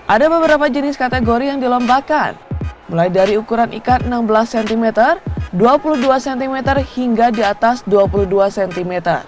ada beberapa jenis kategori yang dilombakan mulai dari ukuran ikan enam belas cm dua puluh dua cm hingga di atas dua puluh dua cm